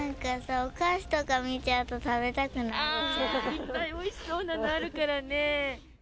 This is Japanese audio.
いっぱいおいしそうなのあるからね。